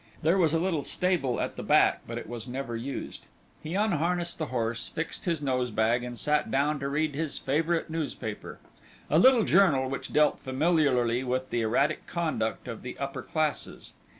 There was a little stable at the back, but it was never used. He unharnessed the horse, fixed his nosebag, and sat down to read his favourite newspaper; a little journal which dealt familiarly with the erratic conduct of the upper classes.